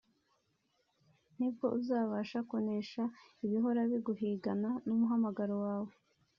nibwo uzabasha kunesha ibihora biguhigana n’umuhamagaro wawe